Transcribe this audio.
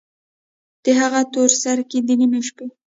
د هغې تورسرکي، د نیمې شپې